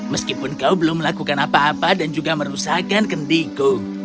meskipun kau belum melakukan apa apa dan juga merusakan kendiku